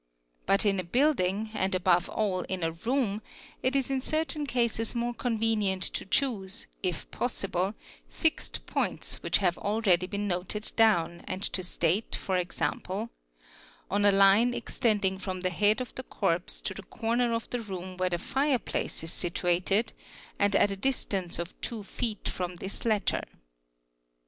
But in a building, and above all in a room, it is in certain cases more convenient to choose, if possible, fixed points which have already been noted down and to state e.g., ''on a line extending from the head of the stated at length, the description becomes tedious and obscure. corpse to the corner of the room where the fire place is situated and ata distance of two feet from this latter."